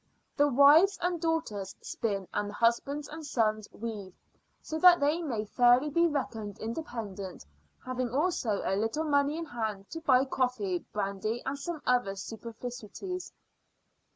The wives and daughters spin and the husbands and sons weave, so that they may fairly be reckoned independent, having also a little money in hand to buy coffee, brandy and some other superfluities.